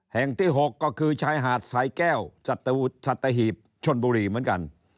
แห่งที่๖ก็คือชายหาดสายแก้วสัตหีบชนบุรีเหมือนกัน